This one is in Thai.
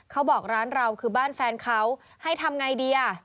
เขาบอกร้านเราคือบ้านแฟนเขาให้ทำอย่างไรดี